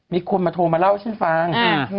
มีคนมาโทรมาเล่าให้ฉันฟัง